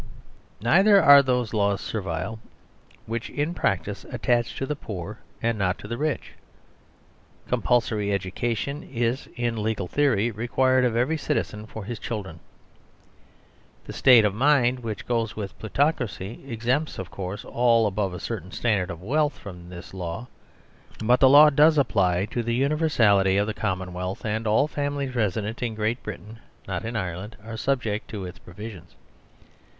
Neither are those laws servile which in practice attach to the poor and not to the rich. Compulsory education is in legal theory required of every citizen for his children. The state of mind which goes with plutocracy exempts of course all above a certain standard of wealth from this law. But the law does apply to the universality of the commonwealth, and all families resident in Great Britain (not in Ireland) are subject to its provisions.